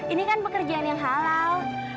ini kan pekerjaan yang halal